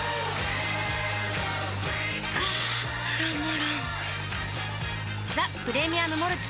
あたまらんっ「ザ・プレミアム・モルツ」